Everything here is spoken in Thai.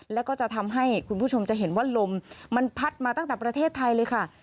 แล้วก็จะทำให้คุณผู้ชมจะเห็นว่าลมมันพัดมาตั้งแต่ประเทศไทยเลยค่ะ